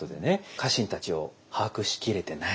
家臣たちを把握しきれてない。